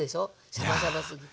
シャバシャバすぎて。